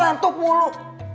aku ngantuk mulu